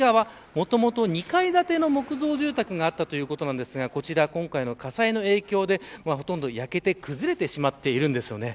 もともと２階建ての木造住宅があったということですが、火災の影響でほとんど焼けて崩れてしまっているんです。